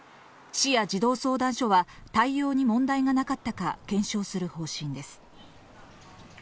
市や児童相談所は対応に問題がなかったか検証する方針です。